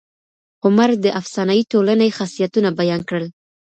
هومر د افسانوي ټولني خاصيتونه بیان کړل.